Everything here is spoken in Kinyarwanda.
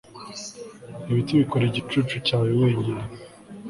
ibiti bikora igicucu cyawe wenyine